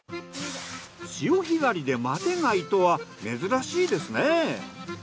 潮干狩りでマテガイとは珍しいですね。